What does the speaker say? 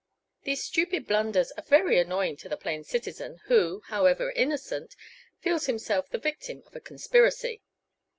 These stupid blunders are very annoying to the plain citizen, who, however innocent, feels himself the victim of a conspiracy."